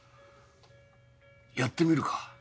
やってみるか。